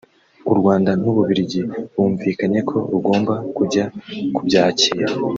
u Rwanda n’u Bubiligi bumvikanye ko rugomba kujya kubyakira